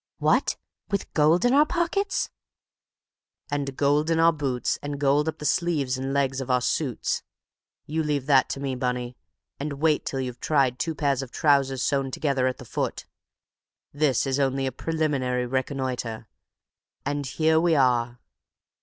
"What! With gold in our pockets—" "And gold in our boots, and gold up the sleeves and legs of our suits! You leave that to me, Bunny, and wait till you've tried two pairs of trousers sewn together at the foot! This is only a preliminary reconnoitre. And here we are."